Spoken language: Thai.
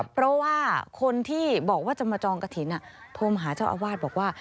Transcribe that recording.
เพราะว่าคนที่บอกว่าจะมาจองกระถิ่นโทรมาหาเจ้าอาวาสบอกว่า